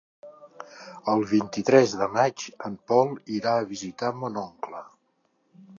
El vint-i-tres de maig en Pol irà a visitar mon oncle.